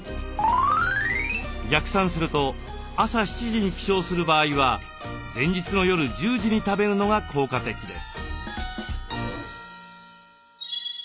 逆算すると朝７時に起床する場合は前日の夜１０時に食べるのが効果的です。